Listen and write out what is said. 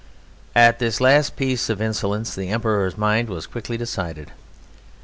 At this last piece of insolence the Emperor's mind was quickly decided.